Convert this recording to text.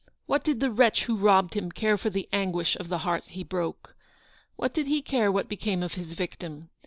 "What did the wretch who robbed him care for the anguish of the heart he broke? What did he care what became of his victim